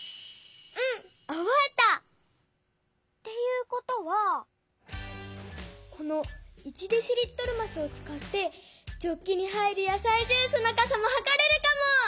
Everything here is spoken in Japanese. うんおぼえた！っていうことはこの１デシリットルますをつかってジョッキに入るやさいジュースのかさもはかれるかも！